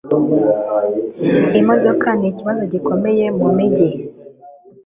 Imodoka nikibazo gikomeye mumijyi